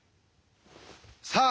さあ